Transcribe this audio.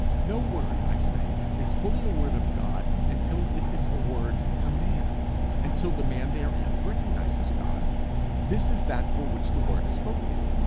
No word, I say, is fully a Word of God until it is a Word to man, until the man therein recognizes God. This is that for which the word is spoken.